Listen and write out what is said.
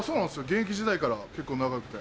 現役時代から結構長くて。